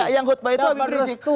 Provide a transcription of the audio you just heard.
yang khutbah itu habib rizik